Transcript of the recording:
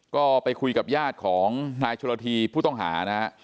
ก็ไปคุยกับญาติของนายโชลธีผู้ต้องหา